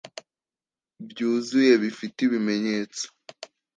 byuzuye bifite ibimenyetso